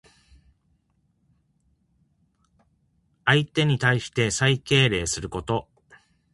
相手に対して最敬礼すること。